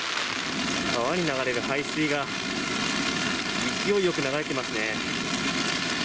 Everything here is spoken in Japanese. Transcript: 川に流れる排水が、勢いよく流れてますね。